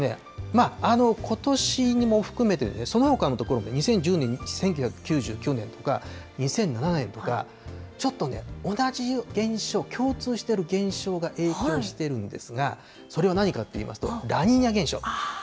まあ、ことしも含めて、そのほかの所も２０１０年、１９９９年とか、２００７年とか、ちょっとね、同じ現象、共通してる現象が影響してるんですが、それは何かといいますと、ラニーニャ現象。